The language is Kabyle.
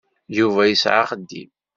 Yuba yesɛa axeddim.